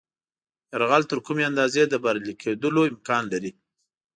یرغل تر کومې اندازې د بریالي کېدلو امکان لري.